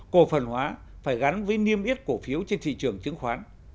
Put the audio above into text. cổ phần hóa phải gắn với niêm yết cổ phiếu trên thị trường chứng khoán